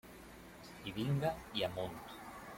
I vinga i amunt.